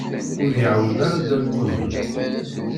Ur y-iɛawen ara Dda Lmulud.